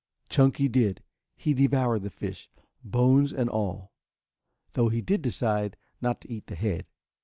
Chunky did. He devoured the fish, bones and all, though he did decide not to eat the head.